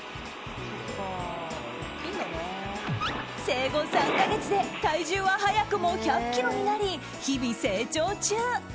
生後３か月で体重は早くも１００ｋｇになり日々、成長中。